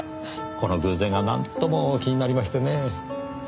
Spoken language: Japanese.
この偶然がなんとも気になりましてねぇ。